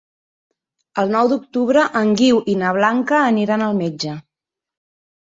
El nou d'octubre en Guiu i na Blanca aniran al metge.